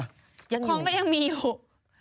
ของก็ยังมีอยู่